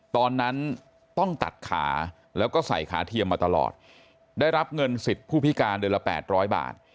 ตอนนั้นต้องตัดขาแล้วก็ใส่ขาเทียมมาตลอดได้รับเงินสิทธิ์ผู้พิการเดือนละ๘๐๐บาท